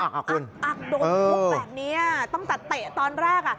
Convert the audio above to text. อักอักอักอักโดนพวกแบบนี้ตั้งแต่เตะตอนแรก